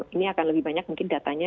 ini akan lebih banyak mungkin datanya